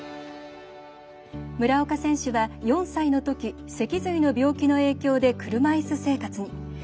村岡選手は、４歳のとき脊髄の病気の影響で車いす生活に。